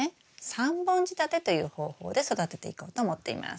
３本仕立てという方法で育てていこうと思っています。